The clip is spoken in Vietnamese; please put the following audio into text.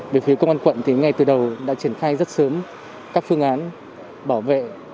về phía công an quận thì ngay từ đầu đã triển khai rất sớm các phương án bảo vệ